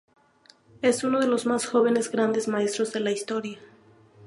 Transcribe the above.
Es uno de los más jóvenes grandes maestros de la historia.